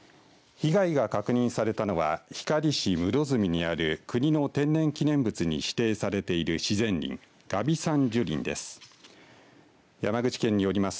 被害が確認されたのは光市室積にある国の天然記念物に指定されている自然林峨嵋山樹林です。